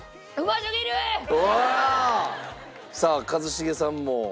さあ一茂さんも。